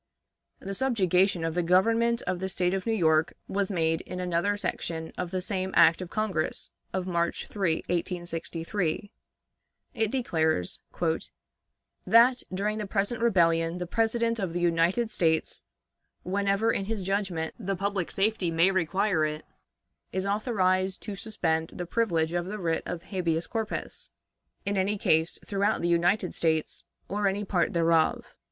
The subjugation of the government of the State of New York was made in another section of the same act of Congress of March 3, 1863. It declares: "That, during the present rebellion, the President of the United States, whenever in his judgment the public safety may require it, is authorized to suspend the privilege of the writ of habeas corpus in any case throughout the United States, or any part thereof."